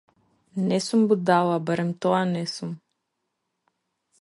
Не сум будала, барем тоа не сум.